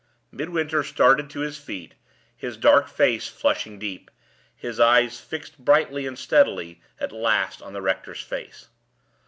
Midwinter started to his feet, his dark face flushing deep; his eyes fixed brightly and steadily, at last, on the rector's face.